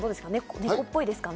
猫っぽいですかね？